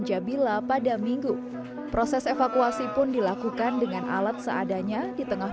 jabila pada minggu proses evakuasi pun dilakukan dengan alat seadanya di tengah